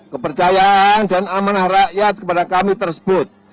kepercayaan dan amanah rakyat kepada kami tersebut